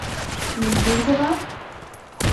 — Медведева?